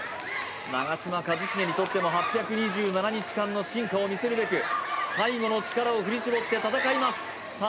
長嶋一茂にとっても８２７日間の進化を見せるべく最後の力を振り絞って戦いますさあ